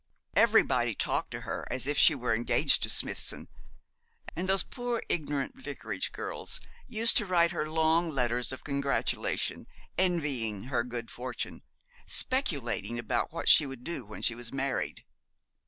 Everybody talked to her as if she were engaged to Smithson, and those poor, ignorant vicarage girls used to write her long letters of congratulation, envying her good fortune, speculating about what she would do when she was married.